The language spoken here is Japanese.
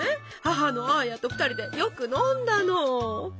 母のアーヤと２人でよく飲んだの。